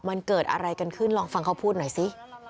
มันเกิดอะไรกันขึ้นลองฟังเขาพูดหน่อยสิ